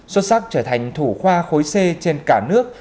xuất sắc trở thành thủ khoa khối c trên cả nước